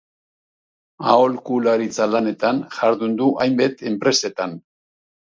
Aholkularitza lanetan jardun du hainbat enpresatan.